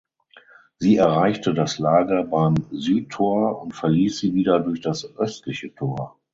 Sie erreichte das Lager beim Südtor und verließ sie wieder durch das östliche Tor.